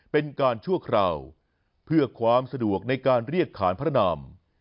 เป็นการชั่วคราวเพื่อความสะดวกในการเรียกขานพระนำ